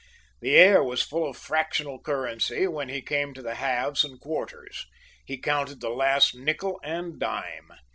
The air was full of fractional currency when he came to the halves and quarters. He counted the last nickle and dime.